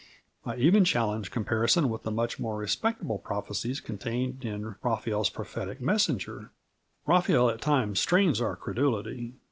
I even challenge comparison with the much more respectable prophecies contained in Raphael's Prophetic Messenger. Raphael at times strains our credulity.